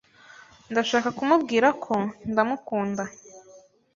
Ndashaka kumubwira ko ndamukunda.